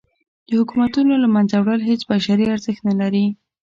د حکومتونو له منځه وړل هیڅ بشري ارزښت نه لري.